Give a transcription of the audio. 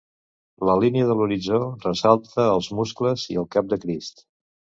La línia de l'horitzó ressalta els muscles i el cap de Crist.